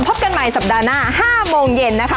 พบกันใหม่สัปดาห์หน้า๕โมงเย็นนะคะ